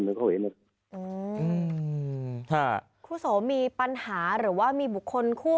เห็นไหมอืมถ้าครูโสมีปัญหาหรือว่ามีบุคคลคู่